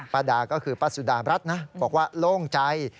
ดาก็คือป้าสุดารัฐนะบอกว่าโล่งใจ